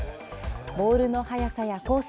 ボールの速さやコース